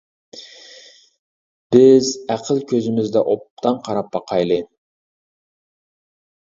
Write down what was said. بىز ئەقىل كۆزىمىزدە ئوبدان قاراپ باقايلى!